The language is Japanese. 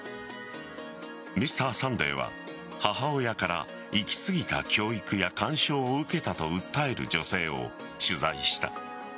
「Ｍｒ．サンデー」は、母親から行き過ぎた教育や干渉を受けたと訴える女性を取材した。